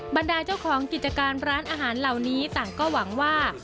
บรรดาเจ้าของกิจการร้านอาหารเหล่านี้ต่างก็หวังว่า